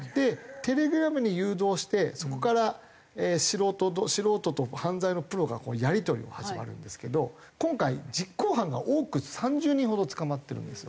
テレグラムに誘導してそこから素人素人と犯罪のプロがやり取りが始まるんですけど今回実行犯が多く３０人ほど捕まってるんですよ。